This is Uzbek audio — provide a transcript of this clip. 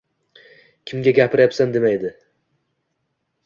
Kimga gapiryapsan demaydi!